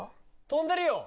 飛んでるよ。